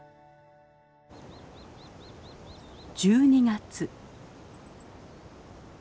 １２月。